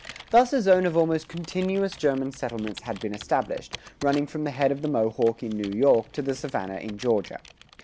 Thus a zone of almost continuous German settlements had been established, running from the head of the Mohawk in New York to the Savannah in Georgia.